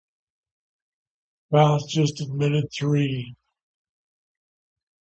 The path just admitted three.